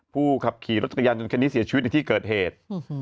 ผู้ขับขี่รถจักรยานยนต์คันนี้เสียชีวิตในที่เกิดเหตุ